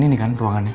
ini kan ruangannya